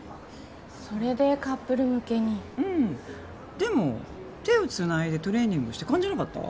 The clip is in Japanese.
それでカップル向けにうんでも手をつないでトレーニングして感じなかった？